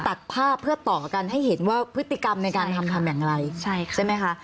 ตัดภาพเพื่อต่อกันให้เห็นว่าพฤติกรรมในการทำทำอย่างไรใช่ค่ะใช่ไหมคะ